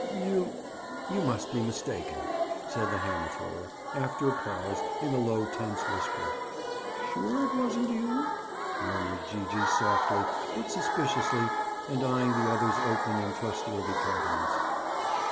"You—you must be mistaken," said the hammer thrower, after a pause, in a low tense whisper. "You're sure it wasn't you?" murmured Gee gee softly but suspiciously and eying the other's open and trustworthy countenance.